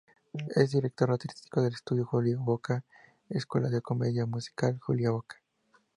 Es Director Artístico del Estudio Julio Bocca y Escuela de Comedia Musical Julio Bocca.